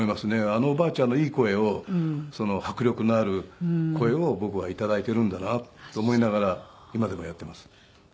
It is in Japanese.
あのおばあちゃんのいい声を迫力のある声を僕は頂いているんだなと思いながら今でもやっています。